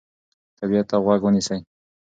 طبیعت ته غوږ ونیسئ.